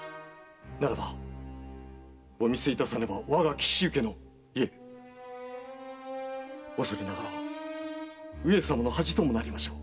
ならばお見せいたさねば我が紀州家のいえおそれながら上様の恥ともなりましょう。